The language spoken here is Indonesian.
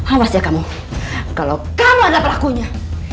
awas ya kamu kalau kamu ada pelakunya